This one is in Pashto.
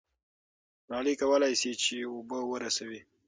ملالۍ کولای سي چې اوبه ورسوي.